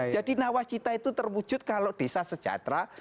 jadi nawajita itu terwujud kalau desa sejahtera